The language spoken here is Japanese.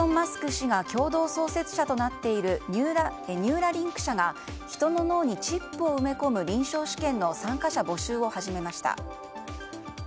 氏が共同創設者となっているニューラリンク社の人の脳にチップを埋め込む臨床試験の参加者募集を始めました。